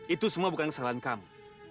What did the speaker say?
itu bukan kesalahan kamu